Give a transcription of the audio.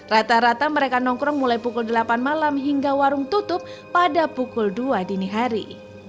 rata rata mereka nongkrong mulai pukul delapan malam hingga warung tutup pada pukul dua dini hari